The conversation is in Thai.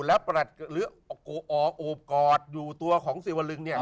และประหลัดหรือโอบกอดอยู่ตัวของศิวรึง